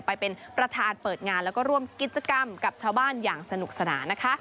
ไปเป็นประธานเปิดงานแล้วก็ร่วมกิจกรรมกับชาวบ้านอย่างสนุกสนานนะคะ